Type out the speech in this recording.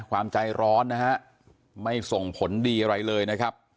ความใจร้อนนะฮะไม่ส่งผลดีอะไรเลยนะครับ